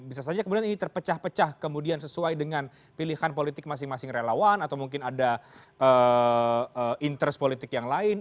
bisa saja kemudian ini terpecah pecah kemudian sesuai dengan pilihan politik masing masing relawan atau mungkin ada interest politik yang lain